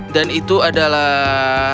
dan itu adalah